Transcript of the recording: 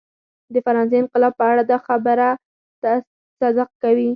د فرانسې انقلاب په اړه دا خبره صدق کوي.